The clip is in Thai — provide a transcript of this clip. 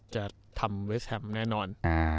จะทำเวสแฮมแน่นอน